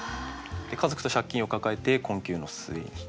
家族と借金を抱えて困窮の末に。